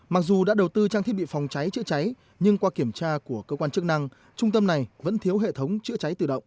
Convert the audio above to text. mặc dù đã đầu tư trang thiết bị phòng cháy chữa cháy nhưng qua kiểm tra của cơ quan chức năng trung tâm này vẫn thiếu hệ thống chữa cháy tự động